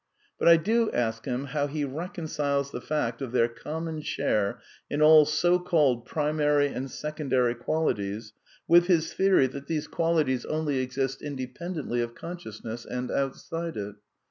But I do ask him how he reconciles the fact » of their common share in all so called primary and second ^^t^^r ary qualities with his theory that these qualities only/ THE NEW EEALISM 219 exist independently of consciousness and outside it.